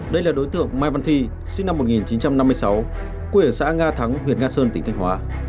đây là đối tượng mai văn thi sinh năm một nghìn chín trăm năm mươi sáu quê ở xã nga thắng huyện nga sơn tỉnh thanh hóa